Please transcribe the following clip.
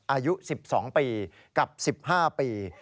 อายุ๑๒ปีกับ๑๕ปี